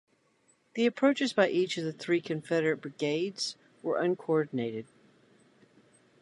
The approaches by each of the three Confederate brigades were uncoordinated.